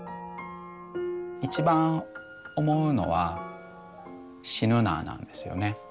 一番思うのは死ぬななんですよね。